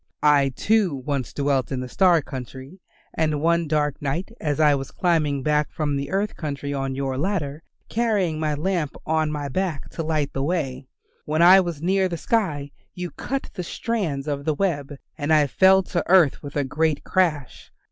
I, too, once dwelt in the star country, and one dark night as I was climbing back from the earth country on your ladder, carrying my lamp on my back to light the way, when I was near the sky you cut the strands of the web and I fell to the earth with a great crash.